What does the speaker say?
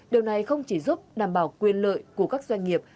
điều này không chỉ giúp đảm bảo quyền lợi của các doanh nghiệp